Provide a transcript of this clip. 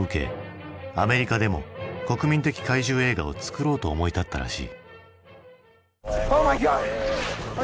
アメリカでも国民的怪獣映画を作ろうと思い立ったらしい。